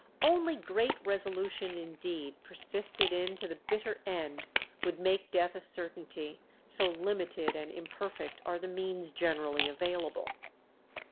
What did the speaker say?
Only great resolution indeed, persisted in to the bitter end, would make death a certainty, so limited and imperfect are the means generally available.